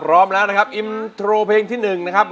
พร้อมแล้วนะครับอินโทรเพลงที่๑นะครับ